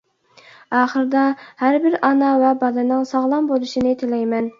ئاخىرىدا ھەر بىر ئانا ۋە بالىنىڭ ساغلام بولۇشىنى تىلەيمەن!